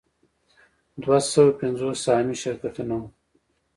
دوه سوه پنځوس سهامي شرکتونه هم وو